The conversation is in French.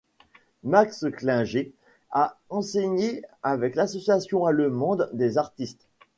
Max Klinger a enseigné avec l'Association allemande des artistes.